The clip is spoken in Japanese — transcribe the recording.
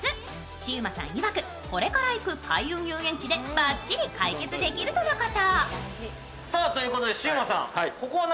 シウマさんいわく、これから行く開運遊園地でばっちり解決できるとのこと。